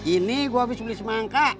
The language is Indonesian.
ini gue habis beli semangka